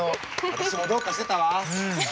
私もどうかしてたわ。